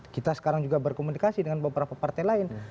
kita sekarang juga berkomunikasi dengan beberapa partai lain